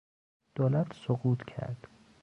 دولت سقوط کرد.